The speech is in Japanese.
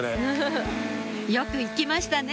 よく行きましたね